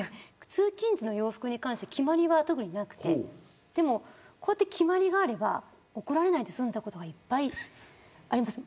通勤時の洋服に関して決まりは特になくてでもこうして決まりがあれば怒られないで済んだことがいっぱいあります。